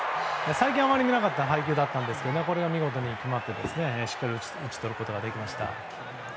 最近あまり見なかった配球なんですがこれが見事に決まってしっかり打ち取れました。